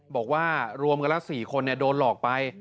บอกว่ารวมกันละ๔คนโดนหลอกไป